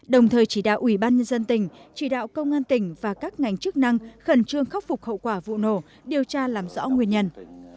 đồng thời chỉ đạo ubnd tỉnh chỉ đạo công an tỉnh và các ngành chức năng khẩn trương khắc phục hậu quả vụ nổ điều tra làm rõ nguyên nhân